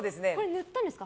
貼ったんですか？